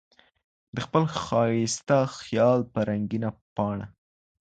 د خپل ښايسته خيال پر رنګينه پاڼه